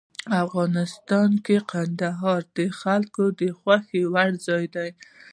افغانستان کې کندهار د خلکو د خوښې وړ ځای دی.